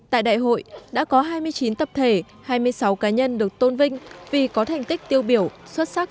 tại đại hội đã có hai mươi chín tập thể hai mươi sáu cá nhân được tôn vinh vì có thành tích tiêu biểu xuất sắc